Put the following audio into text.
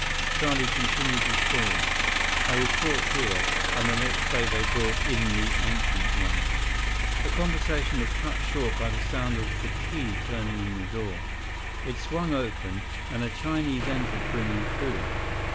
Charlie continued his story. "I was brought here, and the next day, they brought in the Ancient One." 160 The conversation was cut short by the sound of the key turning in the door. It swung open, and a Chinese entered bringing food.